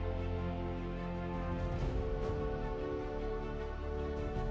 kakek itu sudah berubah